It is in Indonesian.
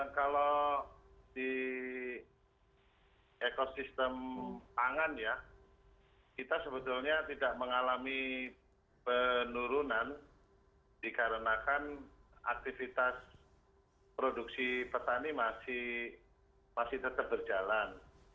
kalau di ekosistem pangan ya kita sebetulnya tidak mengalami penurunan dikarenakan aktivitas produksi petani masih tetap berjalan